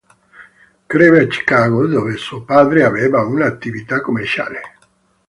Crebbe a Chicago, dove suo padre aveva un'attività commerciale.